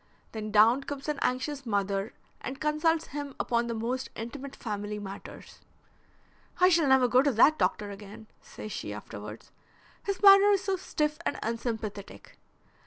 Then down comes an anxious mother and consults him upon the most intimate family matters. 'I shall never go to that doctor again,' says she afterwards. 'His manner is so stiff and unsympathetic.'